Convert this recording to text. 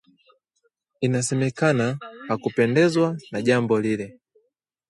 inasemekana hakupendezwa na jambo lile